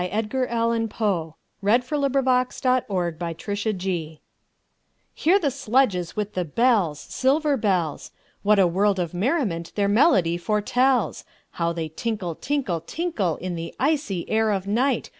Edgar Allan Poe 1809–1849 Edgar Allan Poe 88 The Bells HEAR the sledges with the bells, Silver bells! What a world of merriment their melody foretells! How they tinkle, tinkle, tinkle, In the icy air of night!